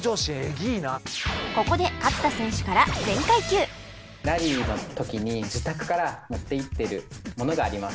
ここで勝田選手からラリーの時に自宅から持っていってるものがあります。